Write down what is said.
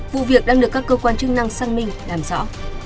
vụ việc đang được các cơ quan chức năng xác minh làm rõ